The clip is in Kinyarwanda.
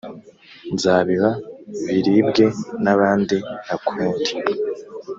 nzabiba biribwe nabandi ntakundi.